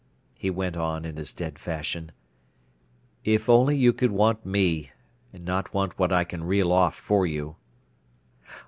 He went on, in his dead fashion: "If only you could want me, and not want what I can reel off for you!"